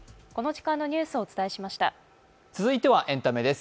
続いてはエンタメです。